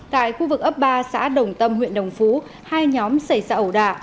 tại khu vực ấp ba xã đồng tâm huyện đồng phú hai nhóm xảy ra ẩu đả